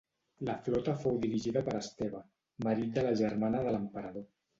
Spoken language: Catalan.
La flota fou dirigida per Esteve, marit de la germana de l'emperador.